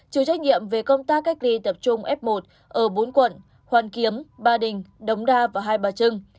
chịu trách nhiệm về công tác cách ly tập trung f một ở bốn quận hoàn kiếm ba đình đống đa và hai bà trưng